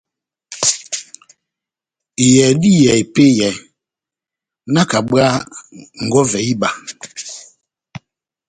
Iyɛhɛ dá iyɛhɛ epɛ́yɛ, nakabwaha nkɔvɛ iba.